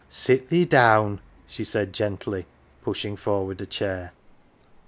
" Sit thee down,"" she said gently, pushing forward a chair.